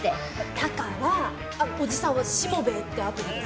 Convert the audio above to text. だからあのおじさんは「しもべえ」ってアプリで。